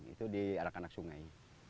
itu di arah kanak sungai